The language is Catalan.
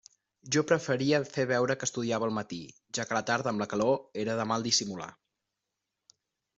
Jo preferia fer veure que estudiava al matí, ja que a la tarda amb la calor, era de mal dissimular.